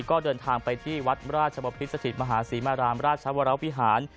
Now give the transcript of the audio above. ก็เดินทางไปที่วัดราชบพิษสถิตมหาศรีมารามราชวรวิหาร